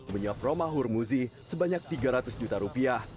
menyiapkan roma hurmuzi sebanyak tiga ratus juta rupiah